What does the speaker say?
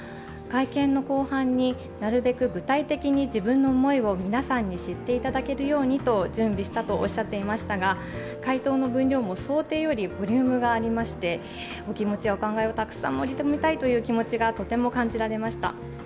会見の後半になるべく具体的に自分の思いを皆さんに知っていただけるようにと準備したとおっしゃっていましたが回答の分量も想定よりボリュームがありまして、お気持ちやお考えをたくさん盛り込みたいという気持ちがとても感じられました。